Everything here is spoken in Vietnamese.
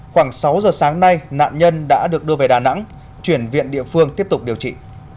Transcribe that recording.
khoảng sáu giờ sáng nay nạn nhân đã được đưa về đà nẵng chuyển viện địa phương tiếp tục điều trị